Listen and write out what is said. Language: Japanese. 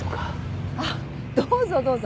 あっどうぞどうぞ。